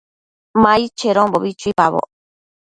Ma aid chedonbo chuipaboc